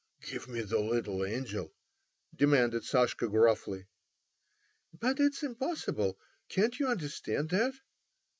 "Give me the little angel," demanded Sashka, gruffly. "But it's impossible. Can't you understand that?"